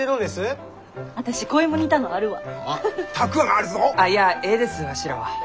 あいやえいですわしらは。